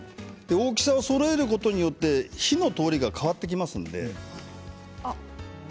大きさをそろえることで火の通りが変わってきますので。